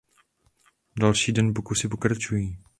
Další den pokusy pokračují.